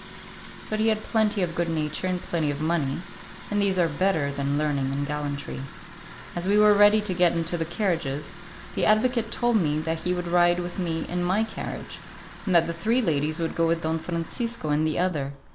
But he had plenty of good nature and plenty of money, and these are better than learning and gallantry. As we were ready to get into the carriages, the advocate told me that he would ride with me in my carriage, and that the three ladies would go with Don Francisco in the other.